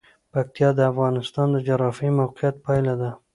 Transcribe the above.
پکتیا د افغانستان د جغرافیایي موقیعت پایله ده.